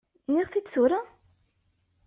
Nniɣ-t-id tura?